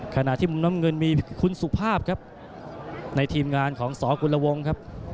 ขณะที่มุมน้ำเงินมีคุณสุภาพครับในทีมงานของสกุลวงครับ